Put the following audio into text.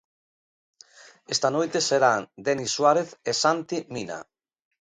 Esta noite serán Denis Suárez e Santi Mina.